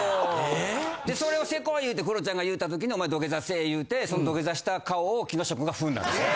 でそれをセコい言うてクロちゃんが言うたときにお前土下座せえ言うてその土下座した顔を木下くんが踏んだんですよ。